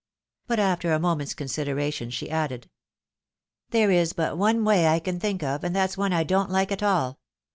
But after a moment's consideration, she added, "There is but one way I can think of, and that's one I don't Uke at all.